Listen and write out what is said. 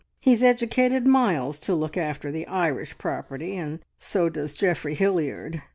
He's educated Miles to look after the Irish property, and so does Geoffrey Hilliard.